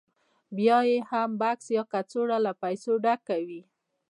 بیا یې هم بکس یا کڅوړه له پیسو ډکه وي